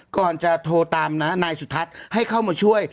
ก่อนจะโทรตามนะนายสุทัศน์ให้เข้ามาช่วย